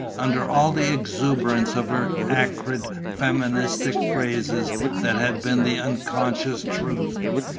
Under all the exuberance of her acrid feministic phrases, that had been the unconscious truth.